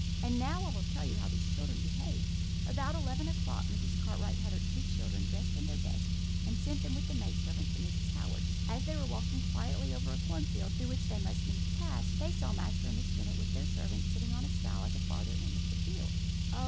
"And now I will tell you how these children behaved. About eleven o'clock Mrs. Cartwright had her two children dressed in their best, and sent them with the maid servant to Mrs. Howard's. As they were walking quietly over a corn field, through which they must needs pass, they saw Master and Miss Bennet with their servant sitting on a stile at the farther end of the field. "'Oh!'